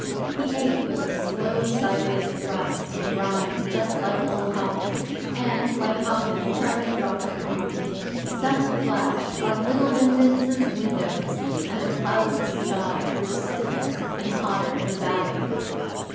He ate with a slow sideways thrust and grind, just like old Hobden, and, like Hobden, hardly dropped a crumb. The sun flashed on Little Lindens' windows, and the cloudless sky grew stiller and hotter in the valley.